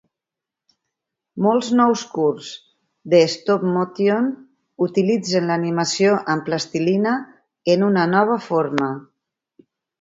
Molts nous curts de stop-motion utilitzen l'animació amb plastilina en una nova forma.